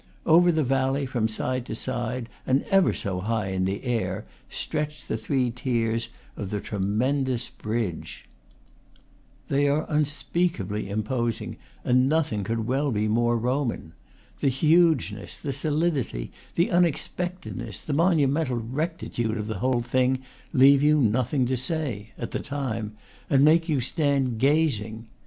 Over the valley, from side to side, and ever so high in the air, stretch the three tiers of the tremendous bridge. They are unspeakably imposing, and nothing could well be more Roman. The hugeness, the soli dity, the unexpectedness, the monumental rectitude of the whole thing leave you nothing to say at the time and make you stand gazing.